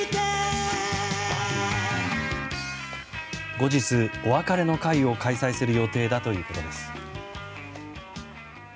後日、お別れの会を開催する予定だということです。